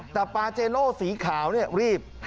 แต่ปาเจโนสีขาวรีบ